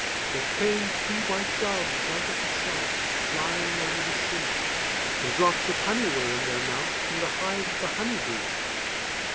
There came three white doves out of the South Flying over the sea, And drops of honey were in their mouth From the hive of the honey bee.